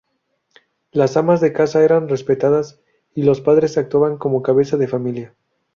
Las amas de casa eran respetadas y los padres actuaban como cabeza de familia.